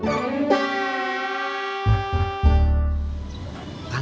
maupun pem dian